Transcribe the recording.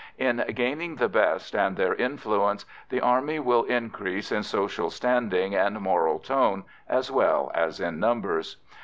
In gaining the best and their influence, the Army will increase in social standing and moral tone as well as in numbers.